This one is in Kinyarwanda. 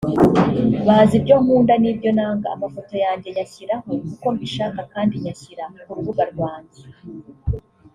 bazi ibyo nkunda n’ibyo nanga… Amafoto yanjye nyashyiraho kuko mbishaka kandi nyashyira kurubuga rwanjye